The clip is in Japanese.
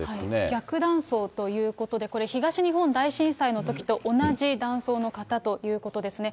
逆断層ということで、これ、東日本大震災のときと同じ断層の型ということですね。